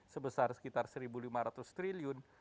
sebesar sekitar rp satu lima ratus triliun